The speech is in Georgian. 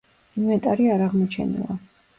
ინვენტარი არ აღმოჩენილა.